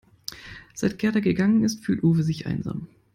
Seit Gerda gegangen ist, fühlt Uwe sich einsam.